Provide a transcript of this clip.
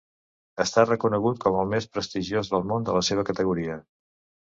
Està reconegut com el més prestigiós del món en la seva categoria.